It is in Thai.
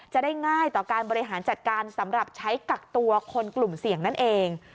จะได้ง่ายต่อการบริหารจัดการสำหรับใช้กักตัวคนกลุ่มเสี่ยงนั่นเอง